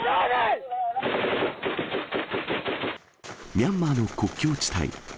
ミャンマーの国境地帯。